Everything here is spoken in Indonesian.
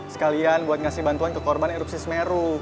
sekalian buat ngasih bantuan ke korban erupsi semeru